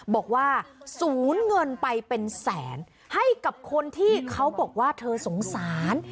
บอกว่าสูญเงินไปเป็นแสนให้กับคนที่เขาบอกว่าเธอสงสาร